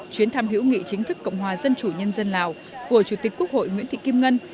chuyến thăm hữu nghị chính thức cộng hòa dân chủ nhân dân lào của chủ tịch quốc hội nguyễn thị kim ngân